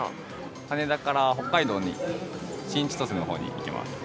羽田から北海道に、新千歳のほうに行きます。